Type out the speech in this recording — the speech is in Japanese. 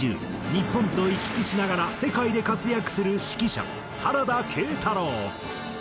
日本と行き来しながら世界で活躍する指揮者原田慶太楼。